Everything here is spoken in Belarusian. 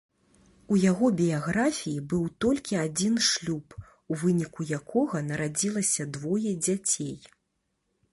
У яго біяграфіі быў толькі адзін шлюб, у выніку якога нарадзілася двое дзяцей.